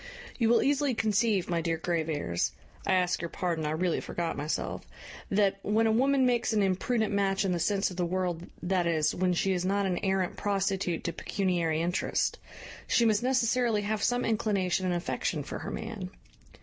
"You will easily conceive, my dear Graveairs (I ask your pardon, I really forgot myself), that, when a woman makes an imprudent match in the sense of the world, that is, when she is not an arrant prostitute to pecuniary interest, she must necessarily have some inclination and affection for her man.